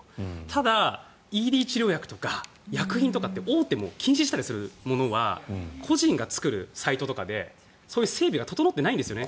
ただ、ＥＤ治療薬とか薬品とか大手も禁止したりするものは個人が作るサイトとかでそういう整備が整ってないんですよね。